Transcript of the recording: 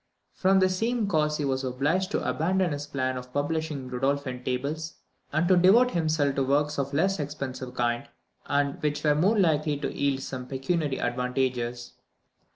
From the same cause he was obliged to abandon his plan of publishing the Rudolphine Tables, and to devote himself to works of a less expensive kind, and which were more likely to yield some pecuniary advantages.